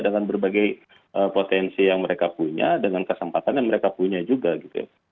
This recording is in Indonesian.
dengan berbagai potensi yang mereka punya dengan kesempatan yang mereka punya juga gitu ya